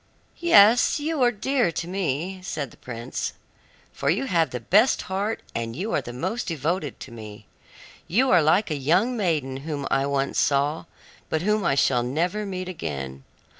"Yes, you are dear to me," said the prince, "for you have the best heart and you are the most devoted to me. You are like a young maiden whom I once saw, but whom I shall never meet again.